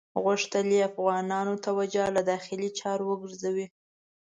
غوښتل یې افغانانو توجه له داخلي چارو وګرځوي.